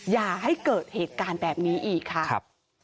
อย่าให้เกิดเหตุการณ์แบบนี้อีกค่ะ